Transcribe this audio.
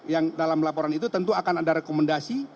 yang dalam laporan itu tentu akan ada rekomendasi